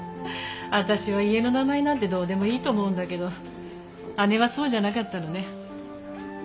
私は家の名前なんてどうでもいいと思うんだけど姉はそうじゃなかったのね。